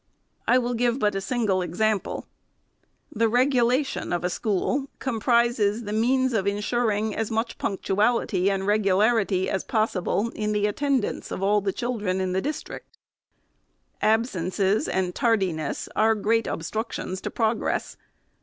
I will give but a single example. The " regula tion " of a school comprises the means of insuring as much punctuality and regularity as possible in the at tendance of all the children in the district. Absences and tardiness are great obstructions to progress.